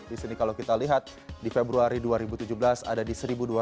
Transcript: di sini kalau kita lihat di februari dua ribu tujuh belas ada di satu dua ratus